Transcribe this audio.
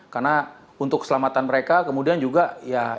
karena untuk keselamatan mereka kemudian juga ya itu kan